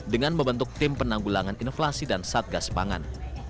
dengan membentuk tim penanggulangan inflasi dan satgas pangan